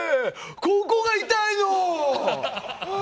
ここが痛いの！